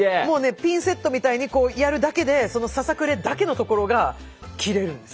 ピンセットみたいにやるだけでささくれだけのところが切れるんです。